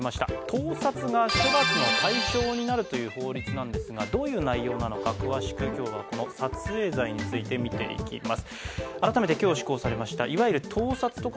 盗撮が処罰の対象になるという法律なんですがどういう内容なのか詳しく今日はこの撮影罪について見ていきます。